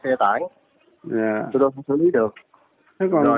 chúng tôi không xử lý được